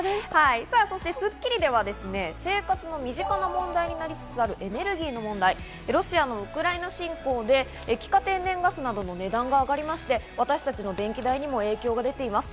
『スッキリ』では生活の身近な問題になりつつあるエネルギーの問題でロシアのウクライナ侵攻で液化天然ガスなどの値段が上がりまして、私たちの電気代にも影響が出ています。